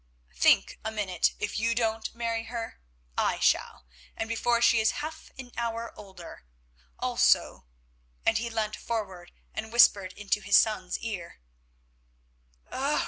"Think a minute. If you don't marry her I shall, and before she is half an hour older; also—" and he leant forward and whispered into his son's ear.